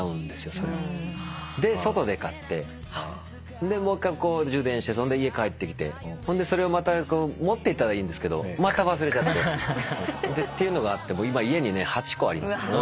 で外で買ってもう一回充電して家帰ってきてそれをまた持っていったらいいんですけどまた忘れちゃってっていうのがあって今家に８個あります。